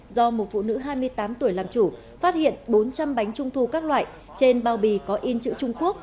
do một phụ nữ hai mươi tám tuổi làm chủ phát hiện bốn trăm linh bánh trung thu các loại trên bao bì có in chữ trung quốc